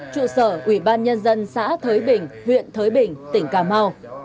chủ sở quỹ ban nhân dân xã thới bình huyện thới bình tỉnh cà mau